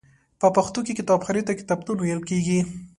په پښتو کې کتابخانې ته کتابتون ویل کیږی.